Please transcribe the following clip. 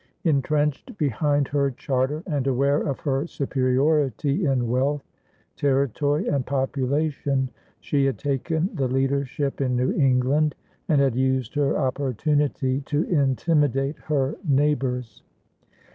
Entrenched behind her charter and aware of her superiority in wealth, territory, and population, she had taken the leadership in New England and had used her opportunity to intimidate her neighbors.